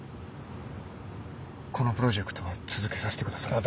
このプロジェクトは続けさせてください。